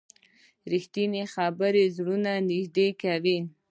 رښتیني خبرې زړونه نږدې کوي.